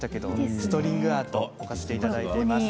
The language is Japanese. ストリングアート置かせていただきました。